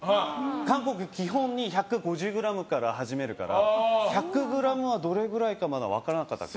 韓国、基本２５０ｇから始めるから１００ｇがどれぐらいか分からなかった。